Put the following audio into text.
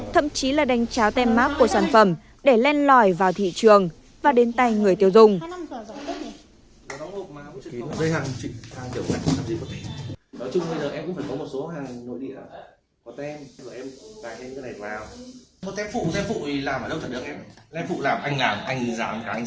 thậm chí là đánh trá tem mát của sản phẩm để len lỏi vào thị trường và đến tay người tiêu dùng